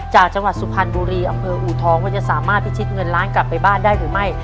จากจังหวัดสุพรรณบุรีอำเภออูทองว่าจะสามารถพิชิตเงินล้านกลับไปบ้านได้หรือไม่